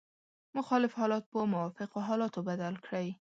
مخالف حالات په موافقو حالاتو بدل کړئ.